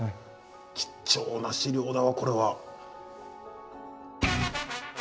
貴重な資料だわこれは。